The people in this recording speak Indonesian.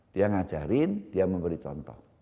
dia ngajarin dia memberi contoh